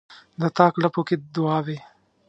د تاک لپو کښې دعاوې،